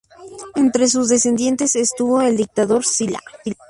Entre sus descendientes estuvo el dictador Sila.